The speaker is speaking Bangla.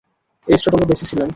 এরিস্টটল-ও বেঁচে ছিলেন।